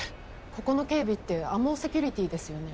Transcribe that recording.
ここの警備ってＡＭＯセキュリティーですよね？